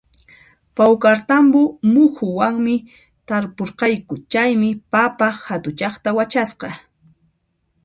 Pawkartambo muhuwanmi tarpurqayku, chaymi papa hatuchaqta wachasqa